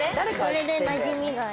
それでなじみがあって。